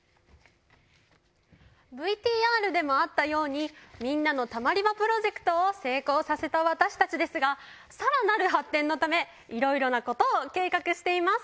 ＶＴＲでもあったようにみんなのたまり場プロジェクトを成功させた私たちですが更なる発展のためいろいろなことを計画しています。